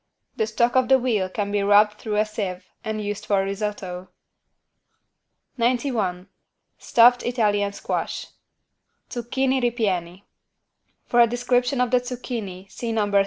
The stock of the veal can be rubbed through a sieve and used for risotto. 91 STUFFED ITALIAN SQUASH (Zucchini ripieni) For a description of the =Zucchini= see No.